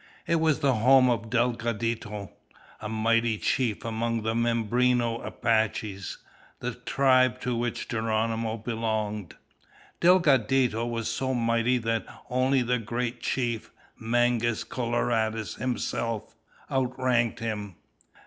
It was the home of Delgadito, a mighty chief among the Mimbreno Apaches, the tribe to which Geronimo belonged. Delgadito was so mighty that only the great chief, Mangus Coloradus himself, outranked him.